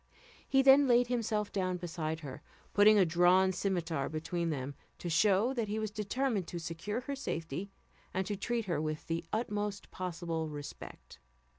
He then laid himself down beside her, putting a drawn scimitar between them, to show that he was determined to secure her safety, and to treat her with the utmost possible respect.